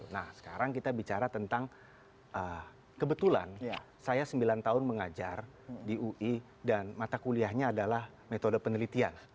nah sekarang kita bicara tentang kebetulan saya sembilan tahun mengajar di ui dan mata kuliahnya adalah metode penelitian